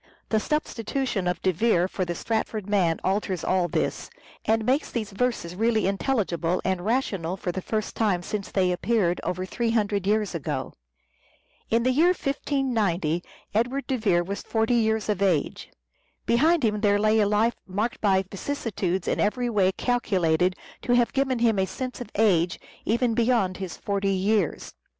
The substitution of De Vere for the Stratford man alters all this, and makes these verses really intelligible and rational for the first time since they appeared — over three hundred years ago. In the year 1590 Edward de Vere was forty years of age. Behind him there lay a life marked by vicissitudes in every way calculated to have given him a sense of age even beyond his forty years.